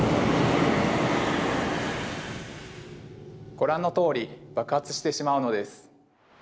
ご覧のとおり爆発してしまうのです。